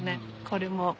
これも。